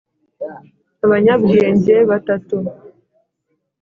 abanyabwenge batatu